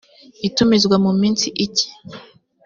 itumizwa mu minsi ike